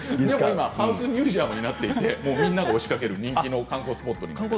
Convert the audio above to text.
ハウスミュージアムになっていて、みんなが押しかける人気の観光スポットです。